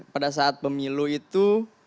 pada saat pemilu itu